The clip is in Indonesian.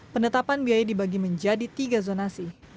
penetapan biaya dibagi menjadi tiga zonasi